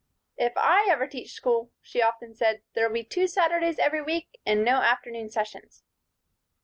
"If I ever teach school," she often said, "there'll be two Saturdays every week and no afternoon sessions."